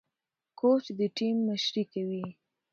کوچ د ټيم مشري کوي.